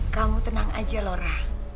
kamu tenang aja lora